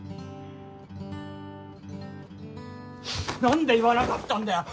何で言わなかったんだよ！